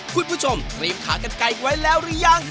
คุณผู้ชมเตรียมขากันไก่ไว้แล้วหรือยัง